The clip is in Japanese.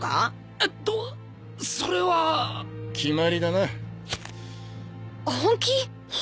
えっとそれは決まりだな本気？